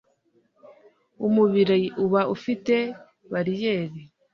umubiri uba ufite bariyeri